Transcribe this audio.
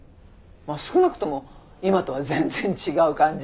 少なくとも今とは全然違う感じ。